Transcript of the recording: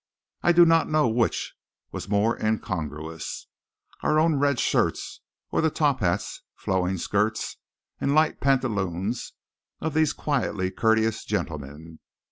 I do not know which was more incongruous our own red shirts, or the top hats, flowing skirts, and light pantaloons of these quietly courteous gentlemen.